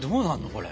これ。